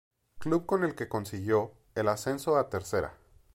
Club con el que consiguió el ascenso a Tercera.